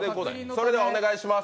それではお願いします。